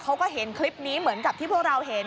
เขาก็เห็นคลิปนี้เหมือนกับที่พวกเราเห็น